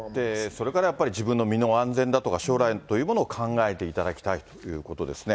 それからやっぱり、自分の身の安全だとか、将来というものを考えていただきたいということですね。